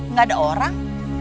nggak ada orang